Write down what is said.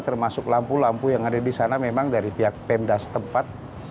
termasuk lampu lampu yang ada di sana memang dari pihak pemda setempat